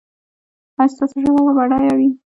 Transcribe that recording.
ایا ستاسو ژبه به بډایه وي؟